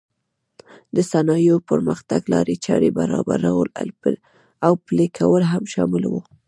د صنایعو پرمختګ لارې چارې برابرول او پلې کول هم شامل و.